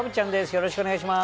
よろしくお願いします。